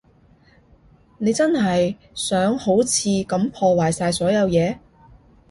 你真係想好似噉破壞晒所有嘢？